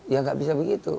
ya enggak bisa begitu